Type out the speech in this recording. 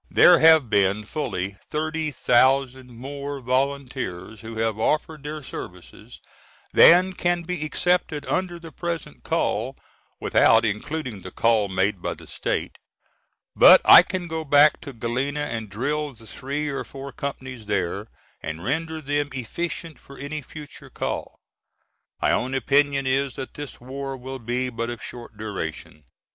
There have been fully 30,000 more volunteers who have offered their services, than can be accepted under the present call, without including the call made by the State; but I can go back to Galena and drill the three or four companies there, and render them efficient for any future call. My own opinion is that this war will be but of short duration.